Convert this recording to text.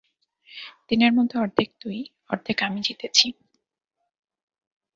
তিনের মধ্যে অর্ধেক তুই, অর্ধেক আমি জিতেছি।